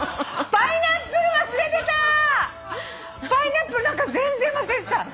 パイナップルなんか全然忘れてた。